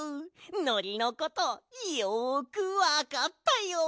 のりのことよくわかったよ。